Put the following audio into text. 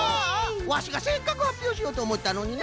ワシがせっかくはっぴょうしようとおもったのにな。